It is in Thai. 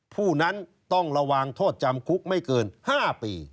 ผู้นั้นต้องระวังโทษจำคุกไม่เกิน๕ปี